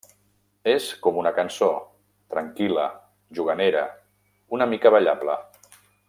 És com una cançó, tranquil·la, juganera, una mica ballable.